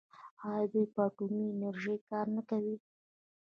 آیا دوی په اټومي انرژۍ کار نه کوي؟